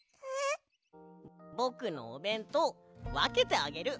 ぼくのおべんとうわけてあげる！